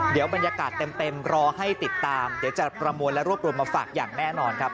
เดี๋ยวบรรยากาศเต็มรอให้ติดตามเดี๋ยวจะประมวลและรวบรวมมาฝากอย่างแน่นอนครับ